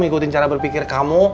ikutin cara berpikir kamu